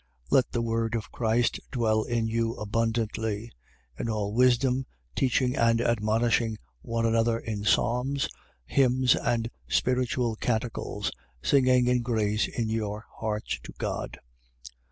3:16. Let the word of Christ dwell in you abundantly: in all wisdom, teaching and admonishing one another in psalms, hymns and spiritual canticles, singing in grace in your hearts to God.